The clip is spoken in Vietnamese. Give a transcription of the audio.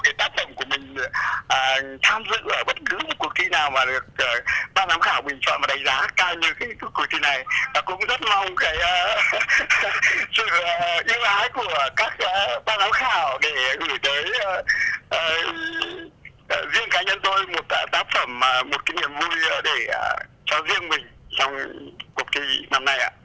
giáp phẩm một cái niềm vui để cho riêng mình trong cuộc thi năm nay ạ